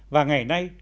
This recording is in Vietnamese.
và ngày nay